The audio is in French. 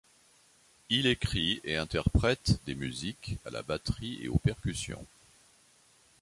Il écrit et interprète des musiques à la batterie et aux percussions.